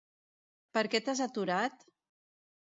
Perquè t'has aturat?